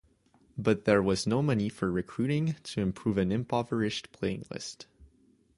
But there was no money for recruiting to improve an impoverished playing list.